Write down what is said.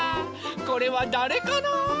これはだれかな？